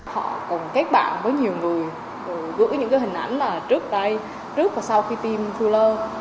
họ cùng các bạn với nhiều người gửi những hình ảnh là trước đây trước và sau khi tiêm phiêu lơ